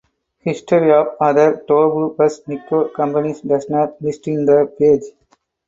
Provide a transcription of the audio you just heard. History of other Tobu Bus Nikko companies does not list in the page.